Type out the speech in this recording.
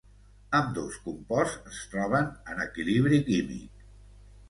Ambdós composts es troben en equilibri químic.